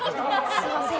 すいません